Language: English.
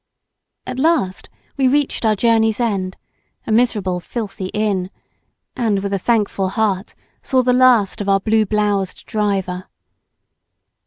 At last we reached our journey's end, a miserable, filthy inn, and, with a thankful heart, saw the last of our blue bloused driver.